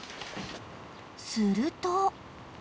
［すると］